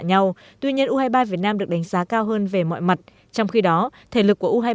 nhau tuy nhiên u hai mươi ba việt nam được đánh giá cao hơn về mọi mặt trong khi đó thể lực của u hai mươi ba